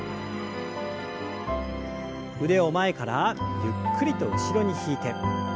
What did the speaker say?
腕を前からゆっくりと後ろに引いて。